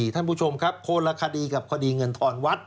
ท่านผู้ชมครับคนละคดีกับคดีเงินทอนวัด